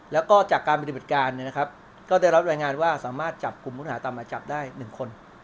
แล้วก็จากการบริเวษการเนี่ยนะครับก็ได้รับรายงานว่าสามารถจับกลุ่มผู้ต้องหาตามหมายจับได้หนึ่งคน